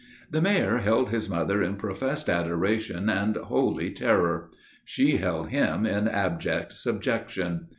The Mayor held his mother in professed adoration and holy terror. She held him in abject subjection.